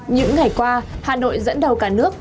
những ngày qua hà nội dẫn đầu cả nước